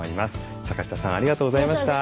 坂下さんありがとうございました。